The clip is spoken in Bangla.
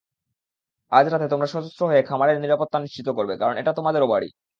আজরাতে, তোমরা সশস্ত্র হয়ে খামারের নিরাপত্তা নিশ্চিত করবে, কারণ এটা তোমাদেরও বাড়ি।